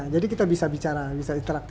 jadi kita bisa bicara bisa interaktif